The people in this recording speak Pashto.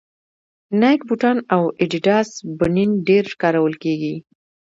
نایک بوټان او اډیډاس بنېن ډېر کارول کېږي